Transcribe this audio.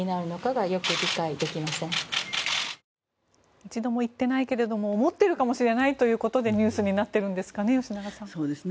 一度も言っていないけれど思ってるかもしれないということでニュースになっているんですかね。